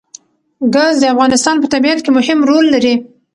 ګاز د افغانستان په طبیعت کې مهم رول لري.